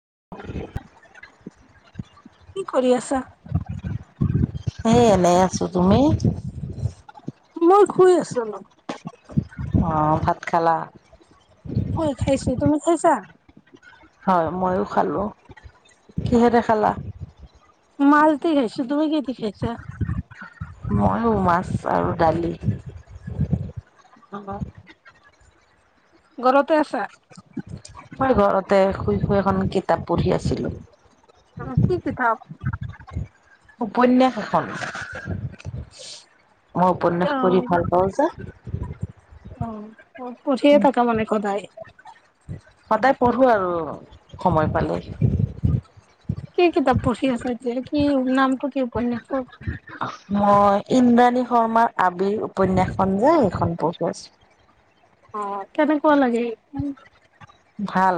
[inaudible] কি কৰি আছা? এ এনে আছোঁ, তুমি? মই শুই আছো অলপ। ভাত খালা? হয় খাইছো, তুমি খাইছা? হয় ময়ো খালোঁ, কিহেৰে খালা? মাছদি খাইছো, তুমি কিহেদি খাইছা? ময়ো মাছ আৰু দালি। অ'। ঘৰতে আছা? মই ঘৰতে শুই শুই এখন কিতাপ পঢ়ি আছিলোঁ। উ, কি কিতাপ? উপন্যাস এখন। মই উপন্যাস অ' পঢ়ি ভাল পাওঁ যে অ', পঢ়িয়ে থাকা মানে সদায়। সদায় পঢ়োঁ আৰু সময় পালেই। কি কিতাপ পঢ়ি আছো এতিয়া, কি নামটো কি উপন্যাসৰ? মই ইন্দ্ৰাণী শৰ্মাৰ আবিৰ উপন্যাসখন যে সেইখন পঢ়ি আছো। অ', কনেকুৱা লাগে সেইখন? ভাল।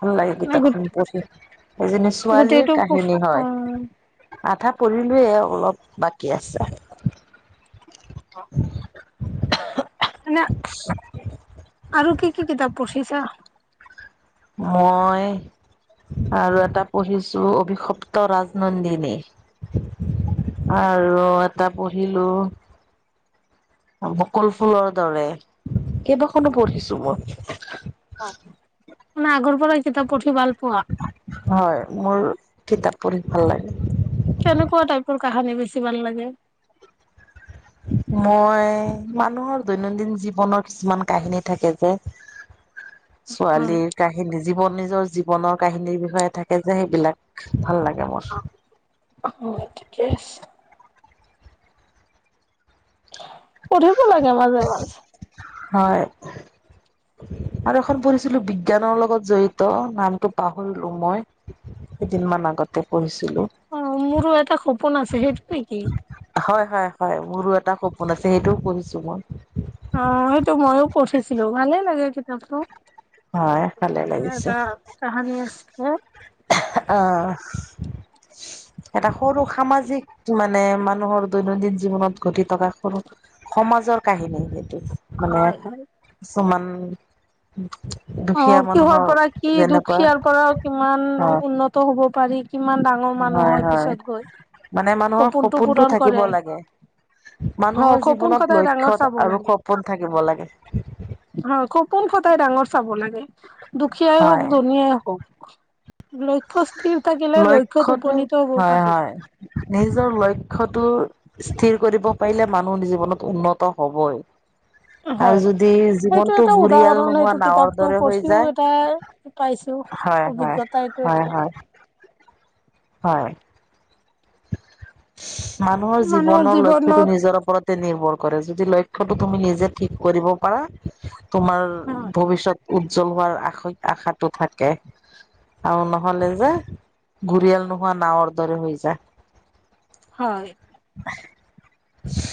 ভাল লাগে গো কিতাপখন পঢ়ি সেইজনী ছোৱালীৰ গোটেইটো অ' কাহিনী হয়। আধা পঢ়িলোয়ে অলপ বাকী আছে। অ'। মানে, আৰু কি কি কিতাপ পঢ়িছা? মই আৰু এটা পঢ়িছো অভিশপ্ত ৰাজনন্দিনী। আৰু এটা পঢ়িলো বকুল ফুলৰ দৰে, কেইবাখনো পঢ়িছো মই। অ', মানে আগৰ পৰাই কিতাপ পঢ়ি ভাল পোৱা? হয় মোৰ কিতাপ পঢ়ি ভাল লাগে। কেনেকুৱা টাইপৰ কাহানী বেছি ভাল লাগে? মই মানুহৰ দৈনন্দিন জীৱনৰ কিছুমান কাহিনী থাকে যে হয়। ছোৱালীৰ কাহিনী জীৱন নিজৰ জীৱনৰ কাহিনীৰ বিষয়ে থাকে যে সেইবিলাক ভাল লাগে। মোৰ ঠিকে আছে পঢ়িব লাগে মাজে মাজে হয় আৰু এখন পঢ়িছিলো বিজ্ঞানৰ লগত জড়িত নামটো পাহৰিলো মই কেইদিনমান আগতে পঢ়িছো অ মোৰো এটা সপোন আছে সেইটোোৱে কি হয় হয় হয়, মোৰো এটা সপোন আছে সেইটোও পঢ়িছো মই। অ', সেইটো ময়ো পঢ়িছিলো ভালে লাগে কিতাপটো। হয় ভালে লাগিছে, এটা কাহানী আছিলে আহ এটা সৰু সামাজিক মানে মানে মানুহৰ দৈনন্দিন জীৱনত ঘটি থকা সৰু, সমাজৰ কাহিনী মানে হয় হয় কিছুমান অ দুখীয়া কিহৰ মানুহৰ পৰা কি যেনেকুৱা দুখীয়াৰ পৰা কিমান হয় উন্নত হব পাৰি কিমান ডাঙৰ মানুহ হয় পিছত গৈ মানে মানুহৰ সপোনটো পূৰণ থাকিব কৰে লাগে অ মানুহৰ সপোন জীৱনত সদায় ডাঙৰ লক্ষ্য চাব আৰু সপোন থাকিব লাগে হয় সপোন কথাই ডাঙৰ চাব লাগে দুখীয়াই হওক ধুনীয়াই হওক লক্ষ্য স্থিৰ থাকিলে লক্ষ্যত লক্ষটো উপনীত হব হয় পাৰি হয় নিজৰ লক্ষটো স্থিৰ কৰিব পাৰিলে মানুহ জীৱনত উন্নত হবই হয় আৰু যদি সেইটো জীৱনটো এটা ঘুৰিয়াল উদাহৰণ নোহোৱা সেইটো নাৱৰ কিতাপটো দৰে হৈ পঢ়িও এটা যায় পাইছো হয় হয় অভিজ্ঞতা এইটো এটা হয় মানুহৰ জীৱনৰ লক্ষ্যতো নিজৰ ওপৰত নিৰ্ভৰ কৰে যদি লক্ষ্যটো তুমি নিজে ঠিক কৰিব পাৰা তোমাৰ হয় ভৱিষ্যত উজ্জ্বল হোৱাৰ আশ আশাটো থাকে আৰু নহলে যে ঘৰিয়াল নোহোৱা নাৱৰ দৰে হৈ যায় হয় [unintelligible]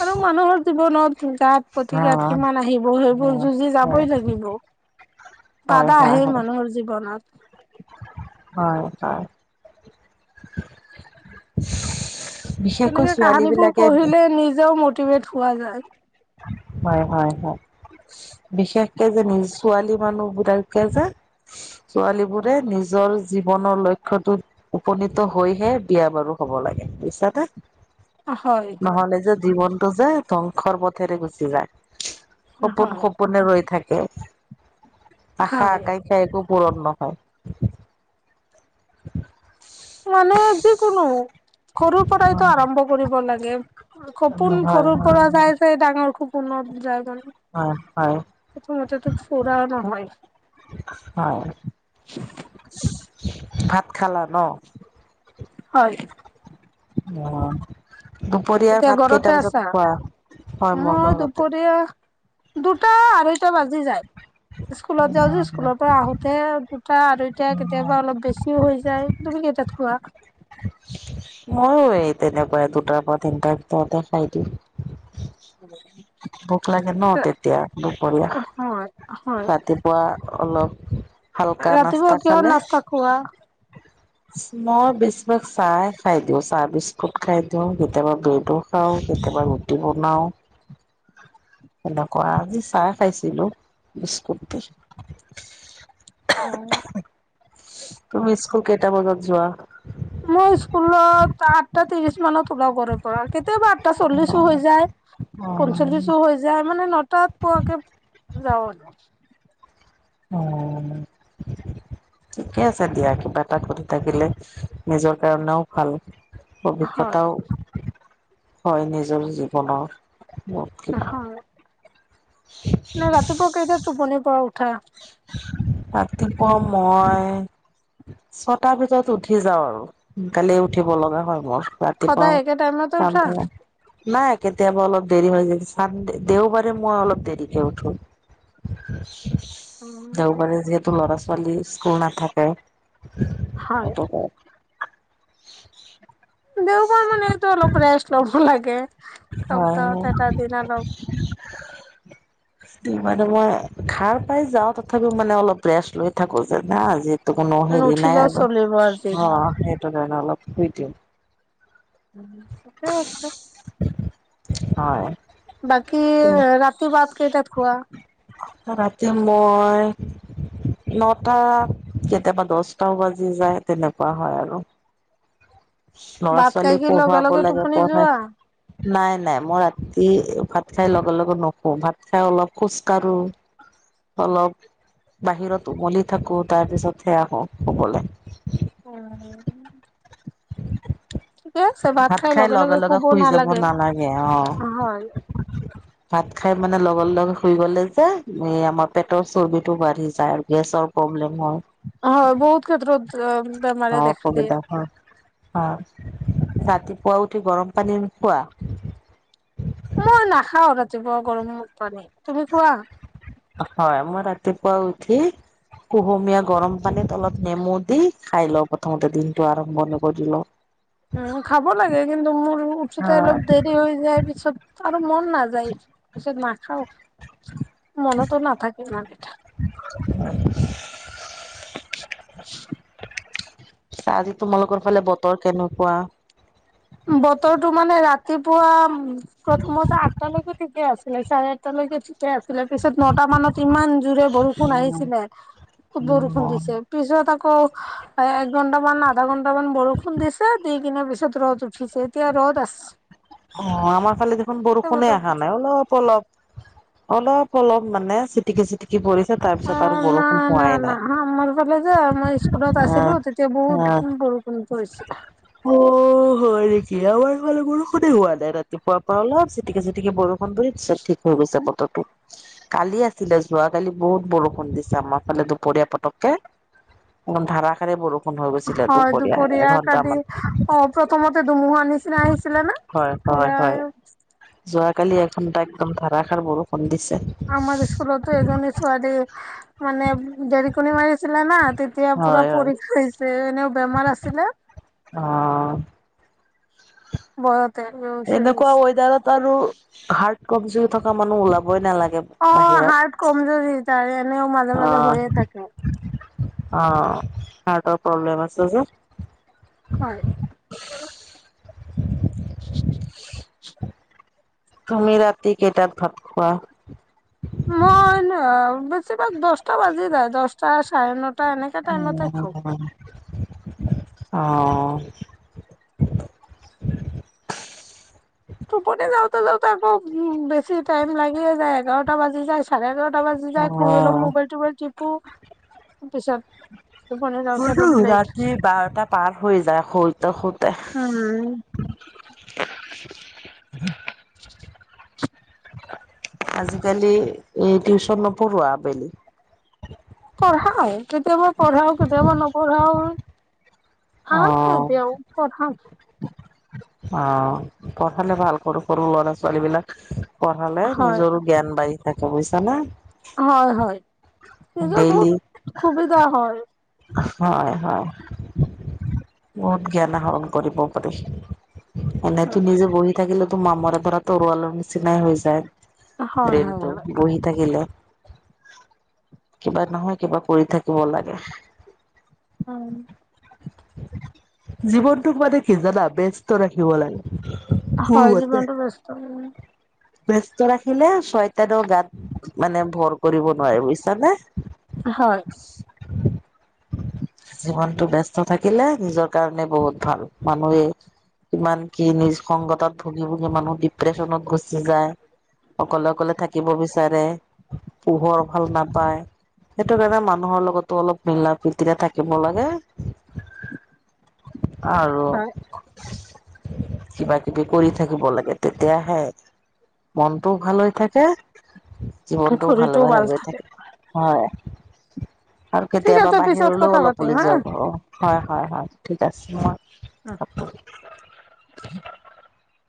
কাৰ মানুহৰ জীৱনত গাত অ প্ৰতিঘাত কিমান আহিব সেইবোৰ হয় যুঁজি হয় যাবই লাগিব হয় বাধা হয় আহে হয় মানুহৰ জীৱনত হয় হয় বিশেষকৈ তেনেকে ছোৱালী কাহানীবোৰ বিলাকে পঢ়িলে নিজেও মটিভেট হোৱা যায় হয় হয় হয় বিশেষকে যে নিজ ছোৱালী মানুহবোতাককে যে ছোৱালী বোৰে নিজৰ জীৱনৰ লক্ষ্য়তোত উপনীত হৈহে বিয়া বাৰু হ'ব লাগে পিছাতে হয় হয় নহ'লে যে জীৱনতটো যে ধ্বংসৰ পথেৰে গুচি যায় সপোন হয় সপোনে ৰৈ থাকে আশা হয় আকাংক্ষা একো পূৰণ নহয় [unintelligible] মানে যিকোনো সৰুৰ পৰাইতো আৰম্ভ কৰিব লাগে কপোন হয় সৰুৰ হয় পৰা চাই চাই ডাঙৰ খু কোনো জায়গা ন হয় হয় প্ৰথমতেো ফোৰাও নহয় হয় ভাত খালা ন হয় অ দুপৰীয়াৰ এতিয়া ভাত ঘৰতে কেইটা বজাত আছা খোৱা হয় মই ঘৰতে দুটা আঢ়ৈটা বাজি যায় স্কুলত যাওঁছো স্কুলৰ পৰা আহোতে দুটা আৰু এতিয়া কেতিয়াবা অলপ বেছিও হৈ যায় তুমি কেই তাত খোৱা মই এই তেনেকুৱাই দুটাৰ পৰা তিনিটাৰ ভিতৰতে খাই দিওঁ। [unintelligible] ভোক লাগে নহ তেতিয়া হয় দুপৰীয়া হয় ৰাতিপুৱা। অলপ হালকা ৰাতিপুৱা নাস্তা কিহৰ খালে। নাস্তা খোৱা মই বেছিভাগ চাহ খাই দিওঁ চাহ বিস্কুট খাই দিওঁ কেতিয়াবা ব্ৰেডো। খাওঁ কেতিয়াবা ৰুটি বনাওঁ। [inaudible] সেনেকুৱা আজি চাহ খাইছিলো বিস্কুট দি অ তুমি স্কুল কেইটা বজাত যোৱা মই স্কুলত আঠটা ত্ৰিশ মানত ওলাও ঘ পৰা কেতিয়াবা আঠটা চল্লিশো হৈ যায় অ পঞ্চল্লিছো হৈ যায় মানে নটাত পোৱাকে যাও আৰু অ ঠিকে আছে দিয়া কিবা এটা সধি থাকিলে নিজৰ কাৰণেও ভাল হয় অভিজ্ঞতাও হয় নিজৰ জীৱনৰ। হয় [unintelligible] নে ৰাতিপুৱা কেইটাত টোপনিৰ পৰা উঠা। ৰাতিপুৱা মই। ছটা ভিতৰত উঠি যাও আৰু সোনকালে উঠিব লগা হয় মোৰ। ৰাতিপুৱা। সদায় একে [unintelligible] টাইমতে উঠা? নাই কেতিয়াবা অলপ দেৰি হৈ যায় চান দেওবাৰে মই অলপ দেৰিকে উঠো। [unintelligible] উম, দেওবাৰে যিহেতু ল'ৰা-ছোৱালী স্কুল নাথাকে। হয়। দেওবাৰ মানেটো অলপ ৰেষ্ট ল'ব লাগে সপ্তাহত হয় এটা দিন অলপ। [unintelligible] মানে মই সাৰ পাই যাওঁ তথাপিও মানে অলপ ৰেষ্ট লৈ থাকোঁ যে না আজি। টো কোনো হেৰি নাই নুঠিলেও আৰু চলিব আজি। অ সেইটো কাৰণে অলপ শুই দিওঁ। ঠিকেই আছে। হয়। বাকি ৰাতি ভাত কেইটাত খোৱা। ৰাতি মই। নটাত কেতিয়াবা দছটাও বাজি যায় তেনেকুৱা হয় আৰু। ভাত ল'ৰা-ছোৱালী খাই কি লগে পঢ়োৱাব লগে লাগে টোপনি যোৱা? পঢ়াই। নাই নাই মই ৰাতি ভাত খাই লগে লগে নুশুও ভাত খাই অলপ খোজ কাঢ়োঁ। অলপ বাহিৰত উমলি থাকো তাৰপিছতহে আহোঁ শুবলে। অ। ভাত খাই লগে লগে শুই যাব নালাগে অহ। হয়। ভাত খাই মানে লগৰ লগে শুই গ'লে যে এই আমাৰ পেটৰ চৰ্বিটো বাঢ়ি। যায় গেছৰ প্ৰব্লেম। হয় হয় বহুত ক্ষেত্ৰত। অ বেমাৰে দেখা দিয়ে। অসুবিধা হয়। অ ৰাতিপুৱা উঠি গৰম পানী নোখোৱা। মই নাখাও ৰাতিপুৱা গৰম পানী তুমি খোৱা। হয় মই ৰাতিপুৱা উঠি কুহুমীয়া গৰম। পানীৰ তলত নেমু দি খাই লওঁ প্ৰথমতে দিনটো আৰম্ভণি কৰি লওঁ। উম খাব লাগে কিন্তু মোৰ উঠোতে অলপ দেৰি হৈ যায় পিছত আৰু মন না। [unintelligible] পিছত নাখাওঁ মনতো নাথাকে মানে। [unintelligible] আজি তোমালোকৰ ফালে বতৰ কেনেকুৱা? বতৰটো মানে ৰাতিপুৱা প্ৰথমতে আঠটালৈকে ঠিকে আছে। চাৰে আটালৈকে ঠিকে আছিলে পিছত নটা মানত ইমান জোৰে বৰষুণ আহিছিলে বৰষুণ দিছে পিছত আকৌ। একঘন্টামান আধা ঘন্টামান বৰষুণ দিছে দি কিনে পিছত ৰ'দ উঠ ছিছেতিয়া ৰ'ত আছ অ আমাৰ ফালে দেখোন বৰষুণে বতৰটো অহা নাই অলপ অলপ। অলপ অলপ মানে চিটিকি চিটিকি পৰিছে। তাৰ অ পিছত আৰু না বৰষুণ না হোৱাই না নাই। আমাৰ ফালে যে মই স্কুলত আছিলো তেতিয়া বহুত বৰষুণ। পৰিছে। অ হয় নেকি আমাৰ এইফালে বৰষুণে হোৱা নাই ৰাতিপুৱাৰ পৰা অলপ চিটিকি চিটিকি বৰ। [unintelligible] চব ঠিক হৈ গৈছে বতৰ। কালি আছিলে যোৱাকালি বহুত বৰষুণ দিছে আমাৰ ফালে দুপৰীয়া পতককে। একদম ধাৰষাৰে বৰষুণ হৈ গৈছিলে দুপৰীয়া। [unintelligible] আদি এঘন্টামান অ প্ৰথমতে ধুমুহাৰ নিচিনা আহিছিলে না। অৰা কালি এঘন্টা একদম ধাৰাষাৰ বৰষণ দি আমাৰ স্ককুতো এজনি ছোৱালি মানে দেৰিকণী মাৰিছিলে না তেতিয়া পুৰা হয় হয় পৰীক্ষা হৈছে এ বেমাৰ আছিলে আহ বহত এনেকুৱা ৱেডাৰত আৰু হাৰ্ড কমজৰি থকা মানুহ ওলাবই নালাগে। অ বাহিৰত হাৰ্ট কমজৰি ত এনেও মাজে অ মাজে হৈয়ে থাকে অ হাৰ্টৰ প্ৰব্লেম আছে যে হয়। তুমি ৰাতি কেইটাত ভাত খোৱা। মই ন বেছিভাগ দশটা বাজি য দশটা চাৰে ন। এনেকে টাইমততে খাও অঁ টোপনি যাওঁতে যাওঁতে আকৌ উ বেছি টাইম লাগিয়ে যায় এঘাৰটা বাজি যায় চাৰে এঘাৰটা ক বাজি অ যায় কুহ ল মোবাইল টোোবাইল টিপো। পিছত টোপনি যাওঁতে অলপ লেট ৰাতি বাৰটা পাৰ হৈ যায় শৰঞ্জ। উম হ আজিকালি এই টিউচন নপঢ়োৱা আবেলি,? পঢ়াও কেতিয়াবা পঢ়াও কেতিয়াবা নপঢ়াও বা অ', এতিয়াও আত আহ পঢ়ালে ভাল কৰো সৰু ল'ৰা ছোৱালী বিলাক পঢ়ালে হয় নিজৰো জ্ঞান বাঢ়ি থাকে বুজিছাানে। হয় হয় নিজৰ ডেইলি বহুত সুবিধা হয়। হয় হয় বহুত জ্ঞান আহৰণ কৰিব পাৰি। এনেই হয় তোৰ নিজে বহি থাকিলে তোৰ মামৰে ধৰা তৰুৱালৰ নিচিনাই হৈ যায়। হয় প্ৰমটো হয় বহি থাকিলে কিবা নহয় কিবা কৰি থাকিব লাগে। উম। জীৱনটোক মানে কি জানা ব্যস্ত ৰাখিব লাগে। হয় জিবনটো বেষ্ট ব্য্স্ত ৰাখিলে ছয়তাৰৰ গাত মানে ভৰ কৰিব নোৱাৰে বুজিছানে। হয়। জীৱনটো বস [unintelligible] থাকিলে নিজৰ কাৰণে বহুত ভাল মানুহে ইমান কি নিজ সংগতত ভুগি ভুগি মানুহ ডিপ্ৰেছনত গুচি যায়। অকলে, অকলে, থাকিব বিচাৰে পোহৰ ভাল নাপায়। সেইটো কাৰণে মানুহৰ লগতো অলপ মিলা প্ৰীতিৰে থাকিব লাগে। আৰু হয় কিবা কিবি কৰি থাকিব লাগে তেতিয়াাহে। মনটোও ভাল হৈ থাকে জীৱনটোও ভালে শৰীৰটোও ভালে ভাল গৈ থাকে হয়। আৰু ঠিক কেতিয়াবা আছে পিছত বাহিৰলৈও কথা অলপ পাতিম উলি যাব হা হয় হয় হয় ঠিক আছে ম উম, [inaudible]